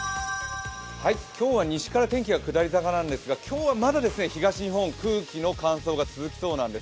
今日は西から天気が下り坂なんですが、今日はまだ東日本、空気の乾燥が続きそうなんです。